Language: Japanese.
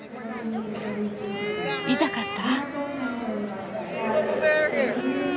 痛かった？